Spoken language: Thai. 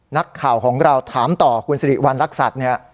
นักข่าวของเราถามต่อคุณสิริวัณรักษัตริย์เนี่ย